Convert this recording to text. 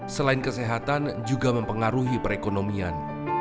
selain kesehatan juga mempengaruhi perekonomian